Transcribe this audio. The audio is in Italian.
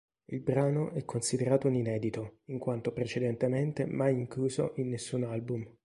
Il brano è considerato un inedito, in quanto precedentemente mai incluso in nessun album.